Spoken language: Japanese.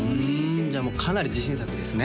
じゃあかなり自信作ですね